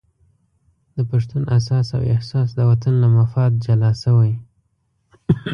د پښتون اساس او احساس د وطن له مفاد جلا شوی.